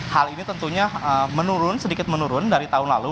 hal ini tentunya menurun sedikit menurun dari tahun lalu